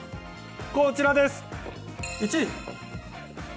こちらです！